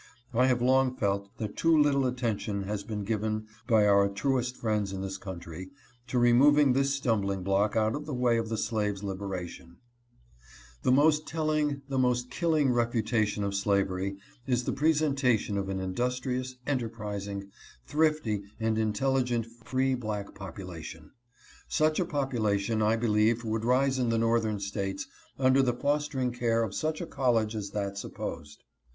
I have long felt that too little attention has been given by our truest friends in this country to removing this stumbling block out of the way of the slave's liberation. VIEWS OF THE COLORED PEOPLE. 35 T The most telling, the most killing refutation of slavery is the pre sentation of an industrious, enterprising, thrifty, and intelligent free black population. Such a population I believe would rise in the Northern States under the fostering care of such a college as that supposed.